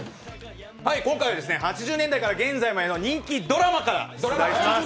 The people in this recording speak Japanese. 今回は８０年代から現在までの人気ドラマから出題していきます。